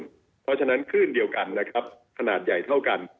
เพราะฉะนั้นคลื่นเดียวกันนะครับขนาดใหญ่เท่ากัน